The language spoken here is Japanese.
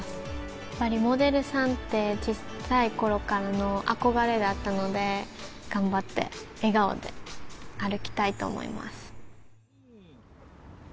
やっぱりモデルさんって、ちっさいころからの憧れだったので、頑張って笑顔で歩きたいと思います。